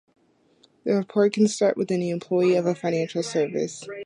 The report can start with any employee of a financial service.